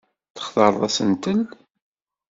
Textareḍ asentel?